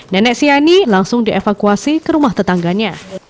nenek siani langsung dievakuasi ke rumah tetangganya